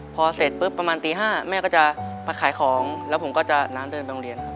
พอเสร็จปุ๊บประมาณตี๕แม่ก็จะมาขายของแล้วผมก็จะน้าเดินไปโรงเรียนครับ